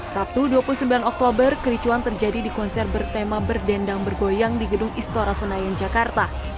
sabtu dua puluh sembilan oktober kericuan terjadi di konser bertema berdendang bergoyang di gedung istora senayan jakarta